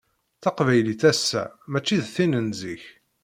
Taqbaylit ass-a mačči d tin n zik.